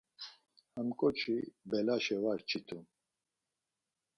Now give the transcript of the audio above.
Ham ǩoçi belaşe var çitun.